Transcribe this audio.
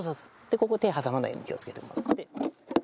ここ手挟まないように気をつけてもらって。